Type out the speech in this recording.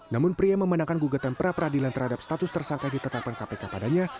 namun pria memenangkan gugatan pra peradilan terhadap status tersangka ditetapkan kpk padanya